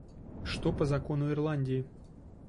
Что по закону Ирландии?